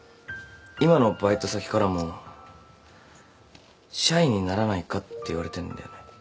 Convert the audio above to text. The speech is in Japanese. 今のバイト先からも社員にならないかって言われてんだよね。